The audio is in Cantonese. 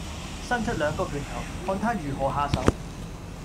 伸出兩個拳頭，看他如何下手。